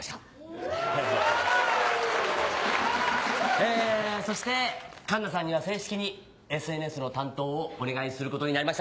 ・えそして奏奈さんには正式にＳＮＳの担当をお願いすることになりました。